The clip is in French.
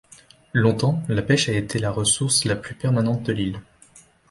Longtemps la pêche a été la ressource la plus permanente de l'île.